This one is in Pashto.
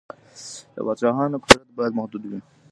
د پادشاهانو قدرت بايد محدود وي.